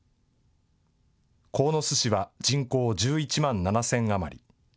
鴻巣市は人口１１万７０００余り。